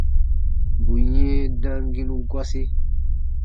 Bù yɛ̃ɛ damginu gɔsi.